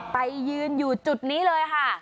ไปยืนอยู่จุดนี้เลยค่ะ